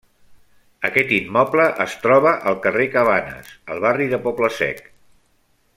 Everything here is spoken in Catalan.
Aquest immoble es troba al carrer Cabanes, al barri de Poble Sec.